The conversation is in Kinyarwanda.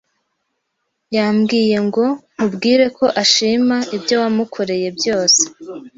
yambwiye ngo nkubwire ko ashima ibyo wamukoreye byose.